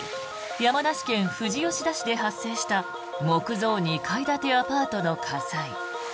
山梨県富士吉田市で発生した木造２階建てアパートの火災。